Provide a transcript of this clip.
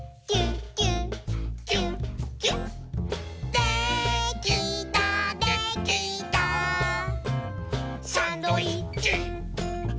「できたできたサンドイッチイェイ！」